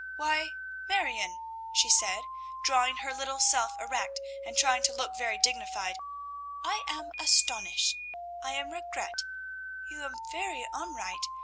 "Why, Marione!" she said, drawing her little self erect, and trying to look very dignified, "I am astonish! I am regret! You am very onright.